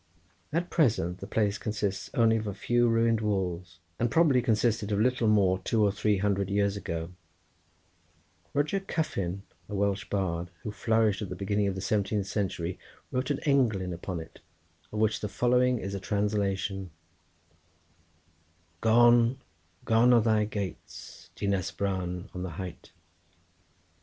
At present the place consists only of a few ruined walls, and probably consisted of little more two or three hundred years ago: Roger Cyffyn, a Welsh bard who flourished at the beginning of the seventeenth century, wrote an englyn upon it, of which the following is a translation:— "Gone, gone are thy gates, Dinas Bran on the height!